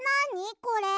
これ。